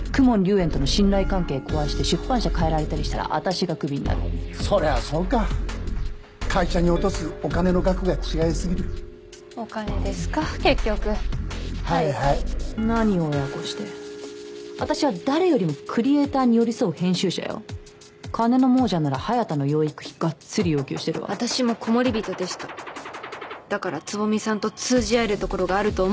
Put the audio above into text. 炎との信頼関係壊して出版社変えられたりしたら私がクビになるそりゃそうか会社に落とすお金の額が違いすぎるお金ですか結局はいはい何よ親子して私は誰よりもクリエイターに寄り添う編集者よ金の亡者なら隼太の養育費ガッツリ要求してるわ私もコモリビトでしただから蕾さんと通じ合えるところがあると思うんです